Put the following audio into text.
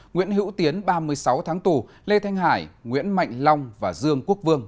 nguyễn hữu tiến ba mươi sáu tháng tù lê thanh hải nguyễn mạnh long và dương quốc vương